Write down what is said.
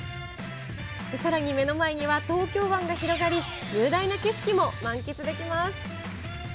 さらに目の前には東京湾が広がり、雄大な景色も満喫できます。